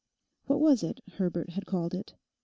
What was it Herbert had called it?